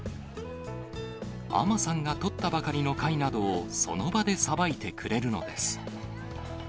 海女さんが取ったばかりの貝などをその場でさばいてくれるのです。